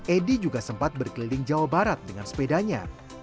edi juga sempat berkeliling jawa barat dengan sepedanya